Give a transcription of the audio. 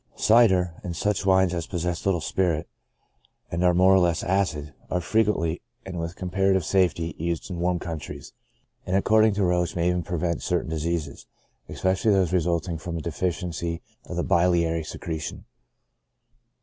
Cider, and such wines as possess little, spirit, and are more or less acid, are frequently, and with comparative safety, used in warm countries, and according to Roesch may even prevent certain diseases, especially those resulting from a deficiency of the biliary secretion.